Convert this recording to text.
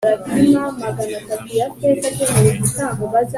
gutekereza no kubika ubumenyi